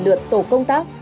ba trăm linh lượt tổ công tác